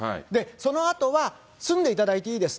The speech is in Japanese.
そのあとは住んでいただいていいです。